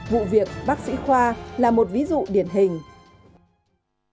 vụ việc bác sĩ khoa là một ví dụ điển hình